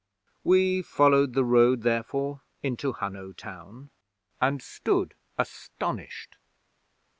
We followed the road, therefore, into Hunno town, and stood astonished.